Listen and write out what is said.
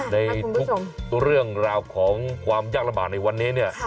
ทุกเรื่องของเรื่องราวของความยากระบะในวันนี้เนี่ย